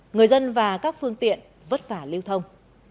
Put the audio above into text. người dân và các phương tiện vất vả lưu thông